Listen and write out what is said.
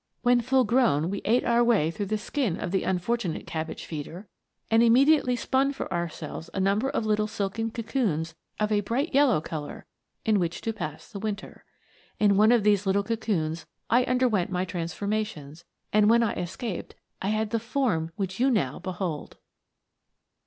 When full grown, we eat our way through the skin of the unfortunate cabbage feeder, and immediately spun for ourselves a number of little silken cocoons of a bright yellow colour, in which to pass the winter. In one of these little cocoons I underwent my transformations, and when I escaped I had the form which you now behold!"